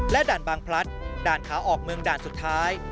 ด่านบางพลัดด่านขาออกเมืองด่านสุดท้าย